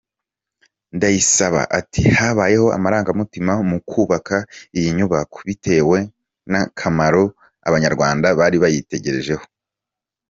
Ndayisaba ati “Habayeho amarangamutima mu kubaka iyi nyubako bitewe n’akamaro Abanyarwanda bari bayitegerejeho.